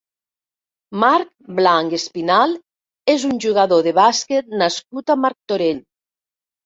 Marc Blanch Espinal és un jugador de bàsquet nascut a Martorell.